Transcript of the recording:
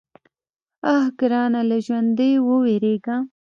_اه ګرانه! له ژونديو ووېرېږه.